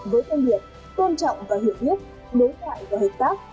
với thân biệt tôn trọng và hiểu biết đối cãi và hợp tác